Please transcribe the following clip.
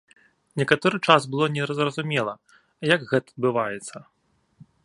Некаторы час было незразумела, як гэта адбываецца.